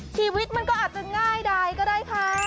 ชีวิตมันก็อาจจะง่ายดายก็ได้ค่ะ